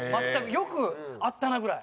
よくあったなぐらい。